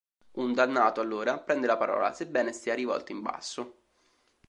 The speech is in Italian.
Un dannato allora prende la parola, sebbene stia rivolto in basso.